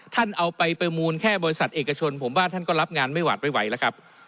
ท่านเอาไปประมูลแค่บริษัทเอกชนผมว่าท่านก็รับงานไม่หวาดไม่ไหวแล้วครับ